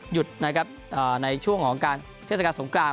หยุดนะครับในช่วงของการเทศกาลสงคราม